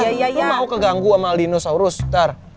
lu mau keganggu sama aldino saurus bentar